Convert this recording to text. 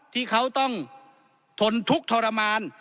ที่เขาต้องทนทุกข์ทรมาน